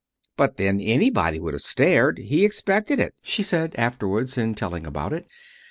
"But then, anybody would have stared. He expected it," she said, afterwards, in telling about it.